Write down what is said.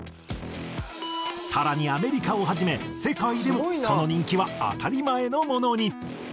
更にアメリカをはじめ世界でもその人気は当たり前のものに。